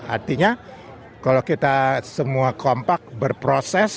artinya kalau kita semua kompak berproses